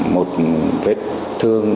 một vết thương